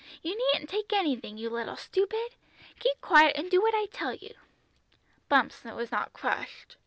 You needn't take anything, you little stupid! Keep quiet, and do what I tell you." Bumps was not crushed.